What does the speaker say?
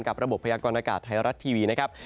ระบบพยากรณากาศไทยรัฐทีวีนะครับ